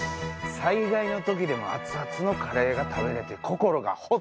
災害の時でも熱々のカレーが食べれて。